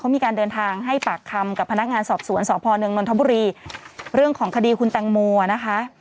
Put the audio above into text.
มีการเดินทางให้ปากคำกับพนักงานสอบสวนสพเมืองนนทบุรีเรื่องของคดีคุณแตงโมนะคะ